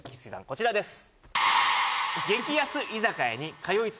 こちらです